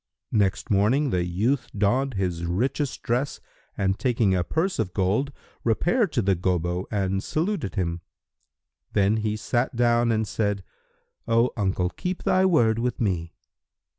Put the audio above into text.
Next morning, the youth donned his richest dress and taking a purse of gold, repaired to the Gobbo and saluted him. Then he sat down and said, "O uncle, keep thy word with me."